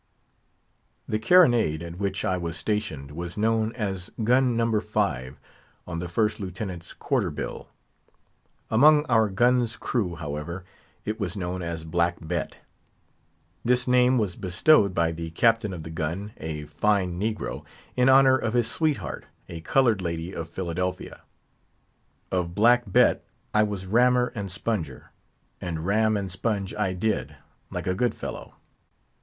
The carronade at which I was stationed was known as "Gun No. 5," on the First Lieutenant's quarter bill. Among our gun's crew, however, it was known as Black Bet. This name was bestowed by the captain of the gun—a fine negro—in honour of his sweetheart, a coloured lady of Philadelphia. Of Black Bet I was rammer and sponger; and ram and sponge I did, like a good fellow.